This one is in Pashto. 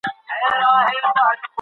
ایا ته آنلاین درسي ویډیوګانې ګورې؟